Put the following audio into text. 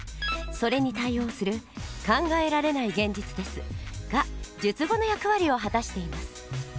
それに対応する「考えられない現実です」が述語の役割を果たしています。